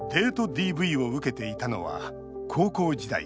ＤＶを受けていたのは高校時代。